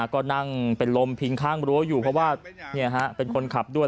ก็นั่งเป็นลมพิงข้างรั้วอยู่เพราะว่าเป็นคนขับด้วย